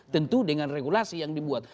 tentu dengan regulasi yang dibuat